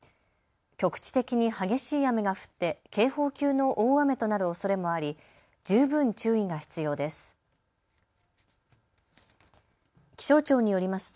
局地的に激しい雨が降って警報級の大雨となるおそれもあり十分注意が必要です。